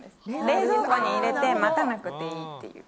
冷蔵庫に入れて待たなくていいっていう。